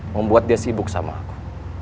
membuat dia sibuk sama aku